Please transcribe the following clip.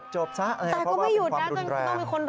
ชบเสากัน